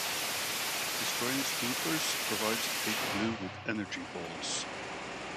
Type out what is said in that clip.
Destroying Stroopers provides Big Blue with "energy balls".